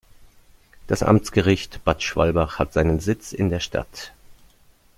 Das Amtsgericht Bad Schwalbach hat seinen Sitz in der Stadt.